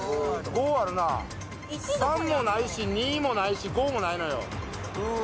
５あるな３もないし２もないし５もないのようわ